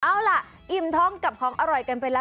เอาล่ะอิ่มท้องกับของอร่อยกันไปแล้ว